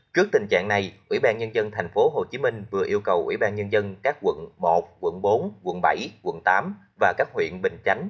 trước tình trạng này ủy ban nhân dân tp hcm vừa yêu cầu ủy ban nhân dân các quận một quận bốn quận bảy quận tám và các huyện bình chánh